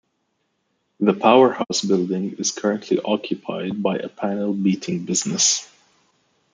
The powerhouse building is currently occupied by a panel beating business.